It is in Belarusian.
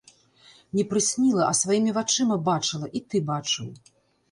Не прысніла, а сваімі вачыма бачыла, і ты бачыў.